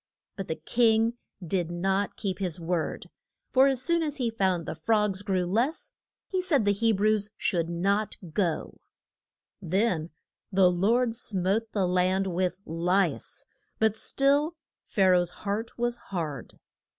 But the king did not keep his word, for as soon as he found the frogs grew less, he said the He brews should not go. Then the Lord smote the land with lice; but still Pha ra oh's heart was hard. [Illustration: MOS ES AT THE BURN ING BUSH.